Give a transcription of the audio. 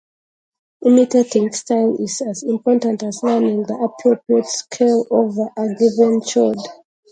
Imitating style is as important as learning the appropriate scale over a given chord.